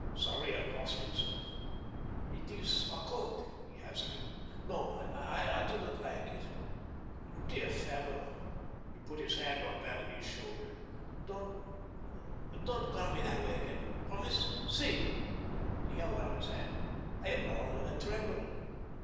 Sarria crossed himself. "It is occult," he hazarded. "No; I do not like it. Dear fellow," he put his hand on Vanamee's shoulder, "don't call me that way again; promise. See," he held out his hand, "I am all of a tremble.